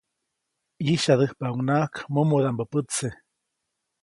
ʼYisyadäjpaʼuŋnaʼak mumudaʼmbä pätse.